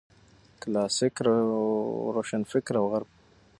کلاسیک روشنفکر او غرب